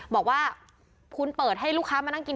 บอกว่าคุณเปิดให้ลูกค้ามานั่งกิน